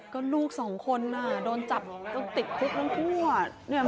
ก็ลูกสองคนโดนจับติดคุกทั้งคู่